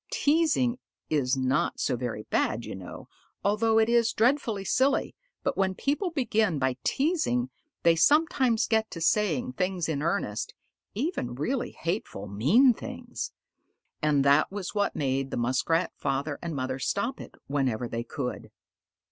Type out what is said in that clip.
Teasing is not so very bad, you know, although it is dreadfully silly, but when people begin by teasing they sometimes get to saying things in earnest even really hateful, mean things. And that was what made the Muskrat father and mother stop it whenever they could.